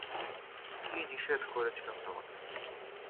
কি নিষেধ করেছিলাম তোমাকে?